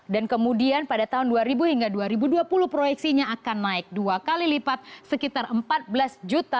dan kemudian pada tahun dua ribu hingga dua ribu dua puluh proyeksinya akan naik dua kali lipat sekitar empat belas juta penduduk yang ada di ibu kota